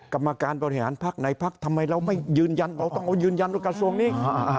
กรรมการบริหารภักดิ์ไหนภักดิ์ทำไมเราไม่ยืนยันเราต้องยืนยันกับกระทรวงนี้